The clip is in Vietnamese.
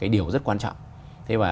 điều rất quan trọng thế và